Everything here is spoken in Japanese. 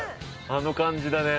あの感じだね。